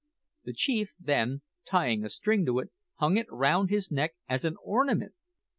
The chief then, tying a string to it, hung it round his neck as an ornament!